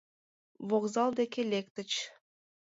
Вокзал деке лектыч.